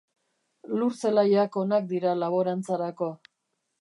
Lur zelaiak onak dira laborantzarako.